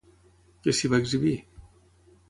Què s'hi va exhibir?